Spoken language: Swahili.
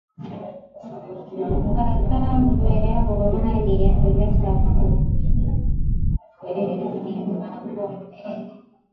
Bukavu yabo mali ya kuleta ku bukwe ni mangombe